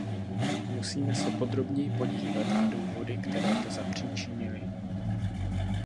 Musíme se podrobněji podívat na důvody, které to zapříčinily.